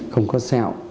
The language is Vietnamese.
không có sẹo